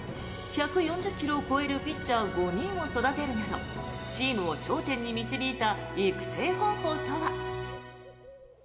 １４０ｋｍを超えるピッチャー５人を育てるなどチームを頂点に導いた育成方法とは？